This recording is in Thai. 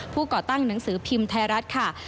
ก่อตั้งหนังสือพิมพ์ไทยรัฐค่ะ